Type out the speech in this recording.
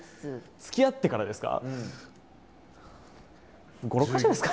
つきあってからですか？